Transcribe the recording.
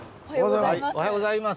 おはようございます。